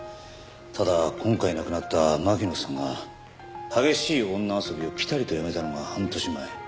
ただ今回亡くなった巻乃さんが激しい女遊びをピタリとやめたのが半年前。